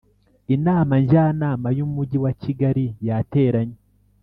Inama Njyanama y’ Umujyi wa Kigali yateranye